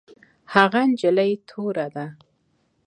هغه نجلۍ توره ده